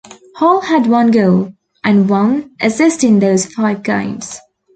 Hull had one goal, and one assist in those five games.